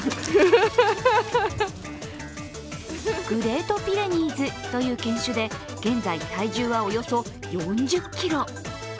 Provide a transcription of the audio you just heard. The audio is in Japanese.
グレートピレニーズという犬種で、現在体重はおよそ４０ｋｇ。